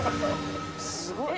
すごい。